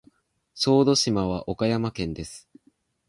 小豆島は岡山県です。